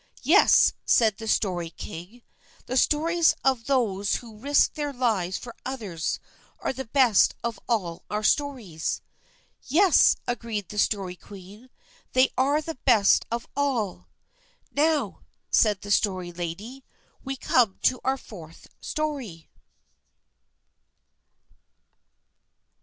"Yes," said the Story King; "the stories of those who risk their lives for others are the best of all our stories." "Yes," agreed the Story Queen; "they are the best of all." "Now," said the Story Lady, "we come to our fourth story."